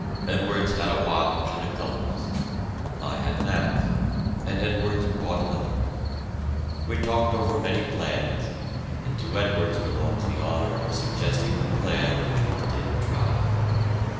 Edwards had a watch and a compass; I had maps, and Edwards bought another one. We talked over many plans, and to Edwards belongs the honor of suggesting the plan which we did try.